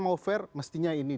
mau fair mestinya ini